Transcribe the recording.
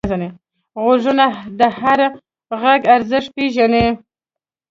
غوږونه د هر غږ ارزښت پېژني